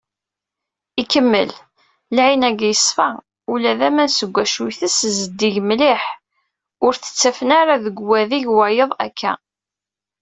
Ikemmel: "Lεin-agi yeṣfa, ula d aman seg wacu itess, zeddig mliḥ, ur t-ttafen ara deg wadeg-wayeḍ akka."